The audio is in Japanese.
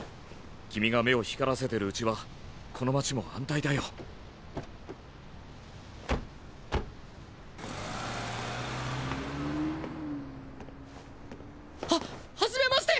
君が目を光らせてる内はこの街も安泰だよ。は初めまして。